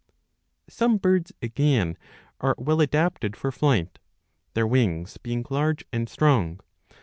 '^ Some birds, again, are well adapted for flight, their wings being large and strong.